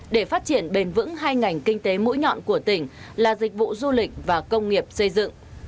để phát triển bền vững hai ngành kinh tế mũi nhọn của tỉnh là dịch vụ du lịch và công nghiệp xây dựng